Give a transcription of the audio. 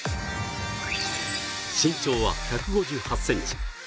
身長は１５８ｃｍ。